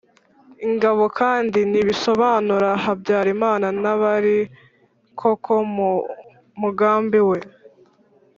ingabo kandi, ntibisobanura habyarimana n'abari koko mu mugambi we,